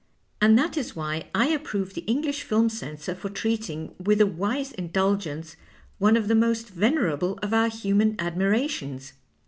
And that is why I approve the English film censor for treating with a wise indulgence one of the most venerable of our human admirations.